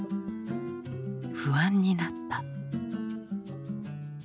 不安になった。